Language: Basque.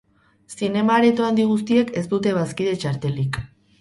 Zinema-areto handi guztiek ez dute bazkide txartelik.